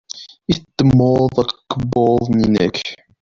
I teddmeḍ akebbuḍ-nnek?